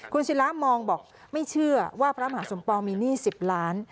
คุณศิลามองบอกไม่เชื่อว่าพระมหาสมปองมีหนี้๑๐ล้าน